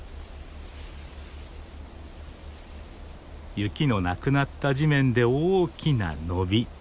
雪のなくなった地面で大きな伸び。